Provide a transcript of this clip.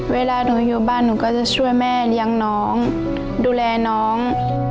เวลาหนูอยู่บ้านหนูก็จะช่วยแม่เลี้ยงน้องดูแลน้อง